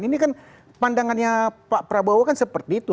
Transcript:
ini kan pandangannya pak prabowo kan seperti itu